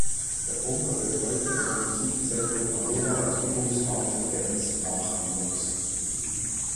Der Bunker wird heute vom Musikzentrum Hannover als Übungsraum für Bands nachgenutzt.